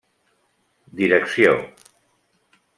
Direcció: